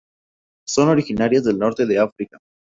Son originarias del Norte de África.